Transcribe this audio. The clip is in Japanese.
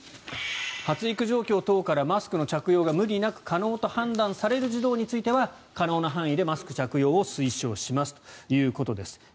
発育状況というからマスクの着用が無理なく可能と判断される児童については可能な範囲でマスク着用を推奨しますということです。